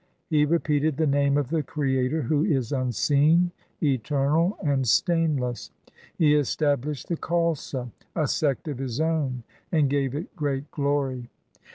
He repeated the name of the Creator who is unseen, eternal, and stainless. He established the Khalsa, a sect of his own, and gave it great glory. SIKH.